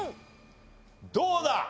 どうだ？